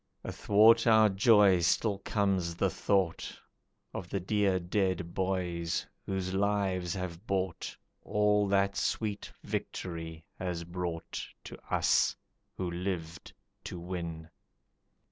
Athwart our joy still comes the thought Of the dear dead boys, whose lives have bought All that sweet victory has brought To us who lived to win.